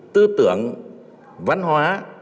tư tưởng văn hóa